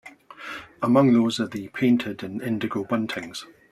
Among those are the painted and indigo buntings.